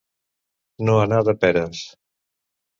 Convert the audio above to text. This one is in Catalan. No anar de peres.